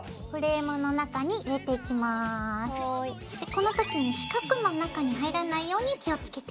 この時に四角の中に入らないように気を付けて。